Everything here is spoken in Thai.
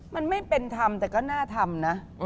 มันไม่เป็นธรรมแต่ก็น่าทำนะ